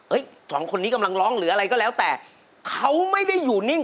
สองคนนี้กำลังร้องหรืออะไรก็แล้วแต่เขาไม่ได้อยู่นิ่ง